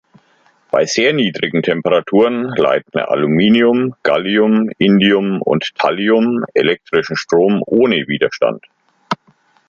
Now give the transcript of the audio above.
Bei sehr niedrigen Temperaturen leiten Aluminium, Gallium, Indium und Thallium elektrischen Strom ohne Widerstand.